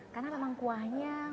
karena memang kuahnya